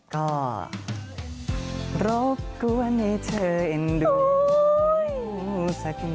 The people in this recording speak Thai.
ก็รบกวนเอ็นดูสักน้อย